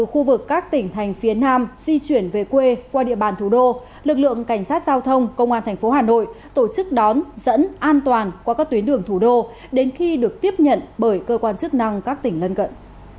khi phía nam di chuyển về quê qua địa bàn thủ đô lực lượng cảnh sát giao thông công an tp hà nội tổ chức đón dẫn an toàn qua các tuyến đường thủ đô đến khi được tiếp nhận bởi cơ quan chức năng các tỉnh lân cận